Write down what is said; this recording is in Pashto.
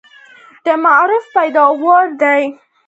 د معارف پیداوار دي.